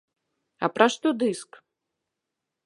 А пра што дыск?